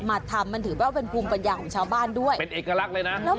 มาทำมันถือว่าเป็นภูมิปัญญาของชาวบ้านด้วยเป็นเอกลักษณ์เลยนะ